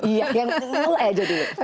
iya yang penting mulai saja dulu